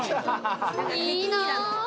いいな。